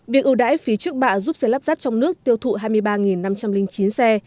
việc ưu đãi phí trước bạ giúp xe lắp ráp trong nước tiêu thụ hai mươi ba năm trăm linh chín xe